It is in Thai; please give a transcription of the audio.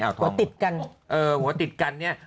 หัวติดกันเออหัวติดกันเนี่ย